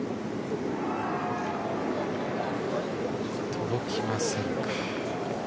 届きませんか。